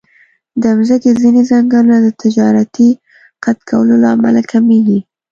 د مځکې ځینې ځنګلونه د تجارتي قطع کولو له امله کمېږي.